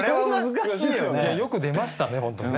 よく出ましたね本当ね。